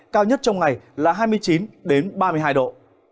cao nhất trong ngày là hai mươi chín ba mươi hai độ